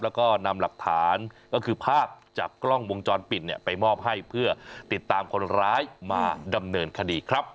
แล้วก็นำหลักฐานก็คือภาพจากกล้องวงจรปิดเนี่ยไปมอบให้เพื่อติดตามคนร้ายมาดำเนินคดีครับ